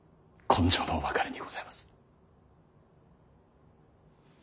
今生の別れにございます。